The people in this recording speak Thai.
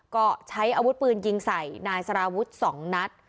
ก็ใช้อาวุธปืนยิงใส่นายสารวุฒิ๒นัด